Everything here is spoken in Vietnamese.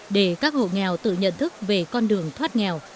để các hộ nghèo tự nhận thức về con đường thoát nghèo